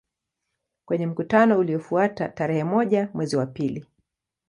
Kwenye mkutano uliofuata tarehe moja mwezi wa pili